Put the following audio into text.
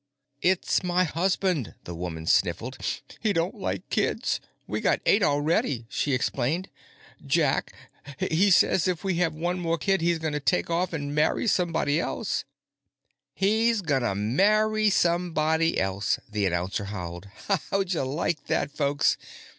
"It's my husband," the woman sniffled. "He don't like kids. We got eight already," she explained. "Jack, he says if we have one more kid he's gonna take off an' marry somebody else." "He's gonna marry somebody else!" the announcer howled. "Hoddya like that, folks?"